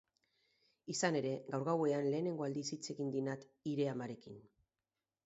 Izan ere, gaur gauean lehenengo aldiz hitz egin dinat hire amarekin.